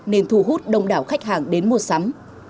nên thu hút đông đảo khách hàng đến mua sắm